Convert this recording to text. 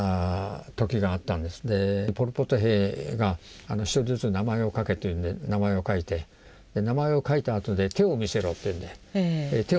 ポル・ポト兵が１人ずつ名前を書けと言うんで名前を書いて名前を書いたあとで「手を見せろ」と言うんで手を見せる。